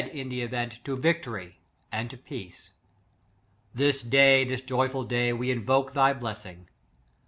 m the event, to victory and to peace; this day, this joyful day, we invoke thy bless ing.